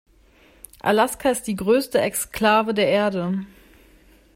Alaska ist die größte Exklave der Erde.